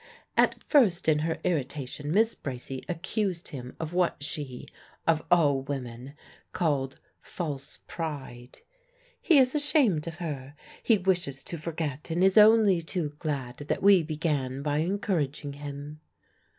At first in her irritation Miss Bracy accused him of what she (of all women!) called false pride. "He is ashamed of her. He wishes to forget, and is only too glad that we began by encouraging him."